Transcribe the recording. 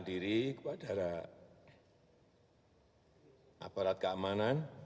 diri kepada aparat keamanan